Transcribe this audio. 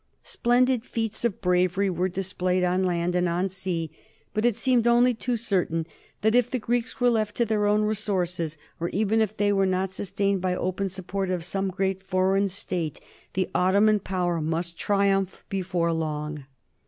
Splendid feats of bravery were displayed on land and on sea, but it seemed only too certain that if the Greeks were left to their own resources, or even if they were not sustained by the open support of some great foreign State, the Ottoman Power must triumph before long.